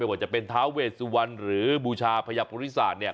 ไม่ว่าจะเป็นทาเวทสุวรรณหรือบูชาพยพฤษศาสตร์เนี่ย